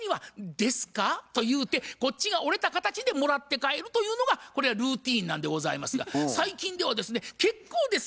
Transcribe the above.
「ですか？」と言うてこっちが折れた形でもらって帰るというのがこれがルーティーンなんでございますが最近ではですね「結構です」